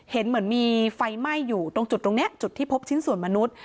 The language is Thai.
เห็นเหมือนมีไฟไหม้อยู่ตรงจุดตรงนี้จุดที่พบชิ้นส่วนมนุษย์